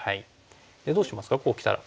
でどうしますかこうきたら。